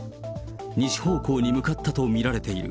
西方向に向かったと見られている。